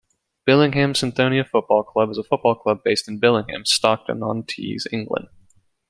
Billingham Synthonia Football Club is a football club based in Billingham, Stockton-on-Tees, England.